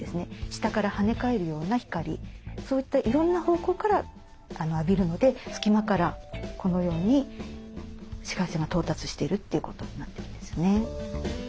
下から跳ね返るような光そういったいろんな方向から浴びるので隙間からこのように紫外線が到達してるということになってるんですね。